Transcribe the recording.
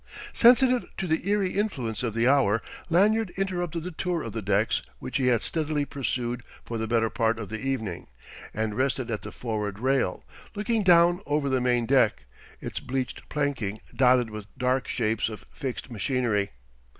Sensitive to the eerie influence of the hour, Lanyard interrupted the tour of the decks which he had steadily pursued for the better part of the evening, and rested at the forward rail, looking down over the main deck, its bleached planking dotted with dark shapes of fixed machinery.